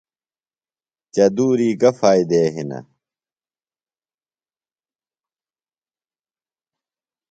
چدُوری گہ فائدےۡ ہنِہ؟